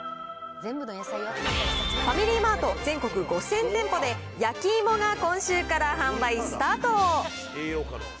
ファミリーマート全国５０００店舗で、焼き芋が今週から販売スタート。